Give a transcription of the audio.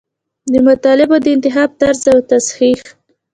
د مطالبو د انتخاب طرز او تصحیح.